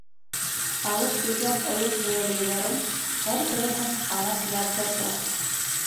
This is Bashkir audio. Алып килгән ойоҡ-бейәләйҙәрен һәр береһен һанап яҙҙырҙы.